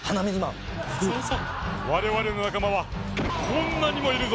我々の仲間はこんなにもいるぞ！